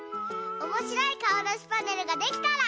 おもしろいかおだしパネルができたら。